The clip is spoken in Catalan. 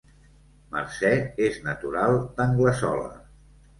Mercè és natural d'Anglesola